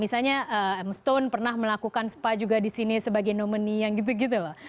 misalnya di tempat yang sama yang misalnya stone pernah melakukan spa juga di sini sebagai nominee yang gitu gitu loh